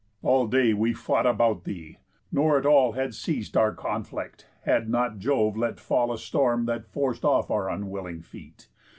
All day we fought about thee; nor at all Had ceas'd our conflict, had not Jove let fall A storm that forc'd off our unwilling feet.